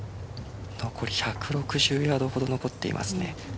残り１６０ヤードほど残っていますね。